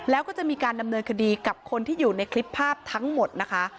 แล้วก็จะมีการดำเนินคดีกับคนที่อยู่ในคลิปภาพทั้งหมดนะคะ